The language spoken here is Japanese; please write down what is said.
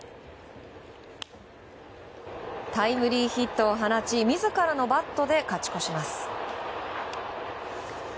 タイムリーヒットを放ち自らのバットで勝ち越します。